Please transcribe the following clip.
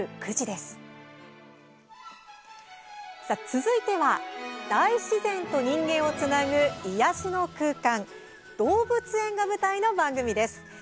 続いては、大自然と人間をつなぐ癒やしの空間動物園が舞台の番組です。